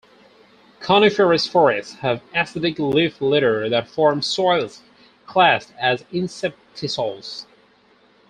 Coniferous forests have acidic leaf litter that form soils classed as inceptisols.